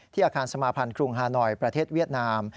อาคารสมาพันธ์กรุงฮานอยประเทศเวียดนาม